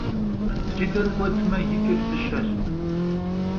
Cıder k'uedme, yi ç'ır dışeş.